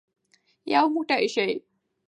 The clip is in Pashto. یو موټی شئ.